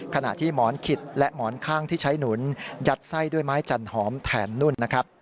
ขณะที่หมอนขิตและข้างที่ใช้หนุนยัดไส่ด้วยไม้จันหอมแทนนู่น